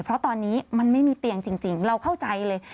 เพราะตอนนี้มันไม่มีเตียงจริงเราเข้าใจเลย